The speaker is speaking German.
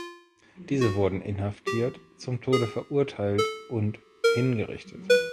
Diese wurden inhaftiert, zum Tode verurteilt und hingerichtet.